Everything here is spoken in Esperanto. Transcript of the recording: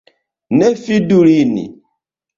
Ne fidu lin.